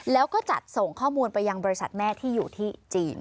แล้วก็จัดส่งข้อมูลไปยังบริษัทแม่ที่อยู่ที่จีน